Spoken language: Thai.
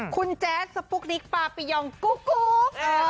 คุณแจ๊ดสปุ๊กนิคปราปริยองกุ๊กกุ๊ก